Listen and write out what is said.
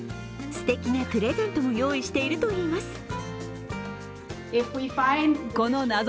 すてきなプレゼントも用意しているといいます。